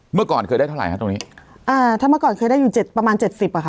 เมื่อก่อนเคยได้เท่าไหร่ฮะตรงนี้อ่าถ้าเมื่อก่อนเคยได้อยู่เจ็ดประมาณเจ็ดสิบอ่ะค่ะ